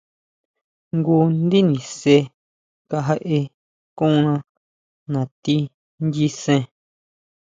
Jngu ndi nise kajeʼe konna nati nyisen.